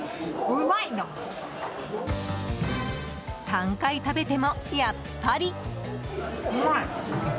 ３回食べても、やっぱり。